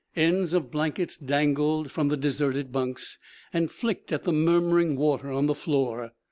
Ends of blankets dangled from the deserted bunks and flicked at the murmuring water on the floor.